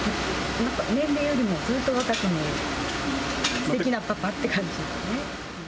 年齢よりもずっと若く見える、すてきなパパって感じ。